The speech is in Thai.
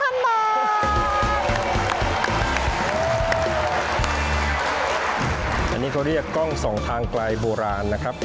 อันนี้เขาเรียกกล้องส่องทางไกลโบราณนะครับ